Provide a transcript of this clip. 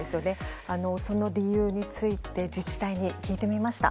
その理由について自治体に聞いてみました。